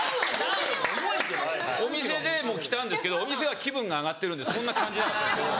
お店でも着たんですけどお店は気分が上がってるんでそんな感じなかった。